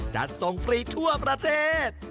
จัดส่งฟรีทั่วประเทศ